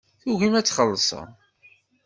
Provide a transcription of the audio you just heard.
Tugim ad txellṣem.